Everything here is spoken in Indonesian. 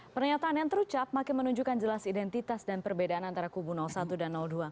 pernyataan yang terucap makin menunjukkan jelas identitas dan perbedaan antara kubu satu dan dua